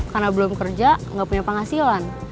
karena belum kerja gak punya penghasilan